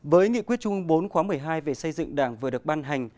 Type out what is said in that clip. với nghị quyết trung ương bốn khóa một mươi hai về xây dựng đảng vừa được ban hành